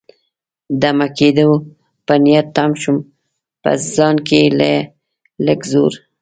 دمه کېدو په نیت تم شوم، په ځان کې له لږ زور.